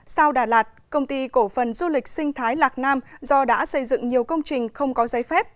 sao đà lạt công ty cổ phần du lịch sinh thái lạc nam do đã xây dựng nhiều công trình không có giấy phép